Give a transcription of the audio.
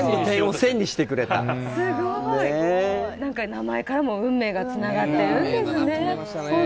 名前からも運命がつながってるんですね